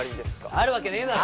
あるわけねえだろ！